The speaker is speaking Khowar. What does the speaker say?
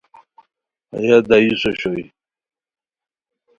ہیہ دییو س اوشوئے